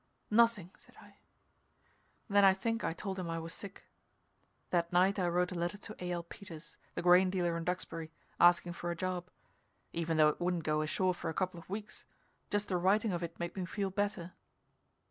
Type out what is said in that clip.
"Nothing," said I. Then I think I told him I was sick. That night I wrote a letter to A.L. Peters, the grain dealer in Duxbury, asking for a job even though it wouldn't go ashore for a couple of weeks, just the writing of it made me feel better.